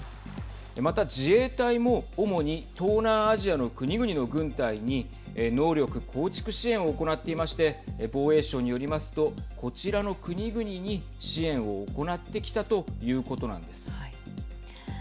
また、自衛隊も主に東南アジアの国々の軍隊に能力構築支援を行っていまして防衛省によりますとこちらの国々に支援を行ってきたということなんです。